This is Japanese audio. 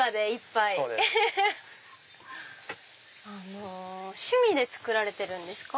あの趣味で作られてるんですか？